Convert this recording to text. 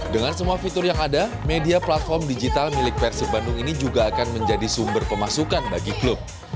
dengan semua fitur yang ada media platform digital milik persib bandung ini juga akan menjadi sumber pemasukan bagi klub